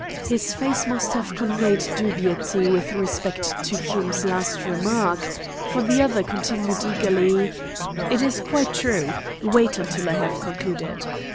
His face must have conveyed dubiety with respect to Hume's last remark, for the other continued eagerly: "It is quite true. Wait until I have concluded.